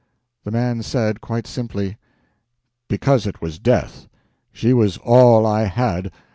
The man said, quite simply: "Because it was death. She was all I had.